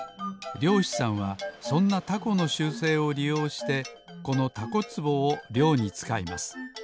りょうしさんはそんなタコの習性をりようしてこのタコつぼをりょうにつかいます。